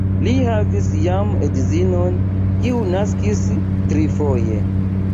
Li havis jam edzinon, kiu naskis trifoje.